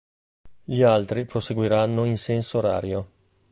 Gli altri proseguiranno in senso orario.